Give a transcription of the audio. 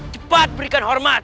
cepat berikan hormat